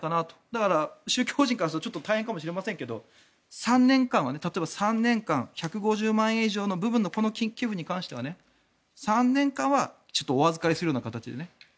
だから、宗教法人からすると大変かもしれませんが例えば３年間１５０万円以上の部分のこの寄付に関しては３年間はお預かりするような形でね。